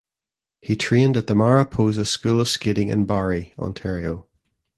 He trained at the Mariposa School of Skating in Barrie, Ontario.